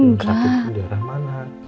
mungkin sakit itu diarah mana